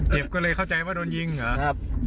ก็เลยเข้าใจว่าโดนยิงเหรอ